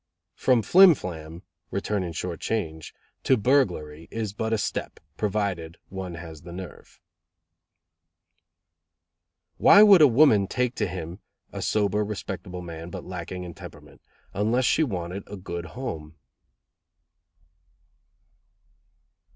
"From flim flam (returning short change) to burglary is but a step, provided one has the nerve." "Why would a woman take to him (a sober, respectable man but lacking in temperament) unless she wanted a good home?"